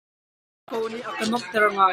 A capo nih a kan nuamh ter ngai.